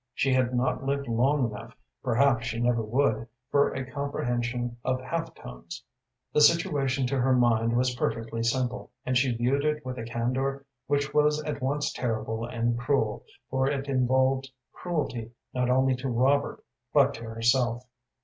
She had not lived long enough, perhaps she never would, for a comprehension of half tones. The situation to her mind was perfectly simple, and she viewed it with a candor which was at once terrible and cruel, for it involved cruelty not only to Robert but to herself.